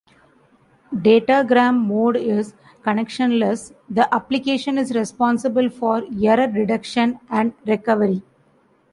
Datagram mode is connectionless; the application is responsible for error detection and recovery.